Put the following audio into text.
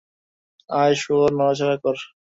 আয়, শুয়োর, নড়াচড়া কর!